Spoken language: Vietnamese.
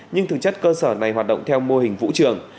nhưng thực chất cơ sở này hoạt động theo mô hình vũ trường